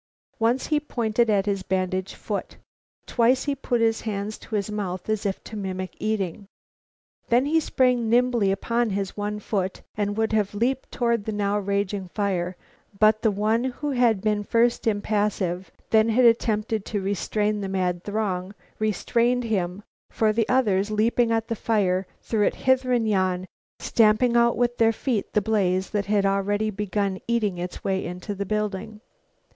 Once he pointed at his bandaged foot. Twice he put his hands to his mouth, as if to mimic eating. Then he sprang nimbly upon his one foot and would have leaped toward the now raging fire, but the one who had been first impassive, then had attempted to restrain the mad throng, restrained him, for the others, leaping at the fire, threw it hither and yon, stamping out with their feet the blaze that had already begun eating its way into the building.